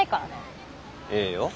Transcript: ええよ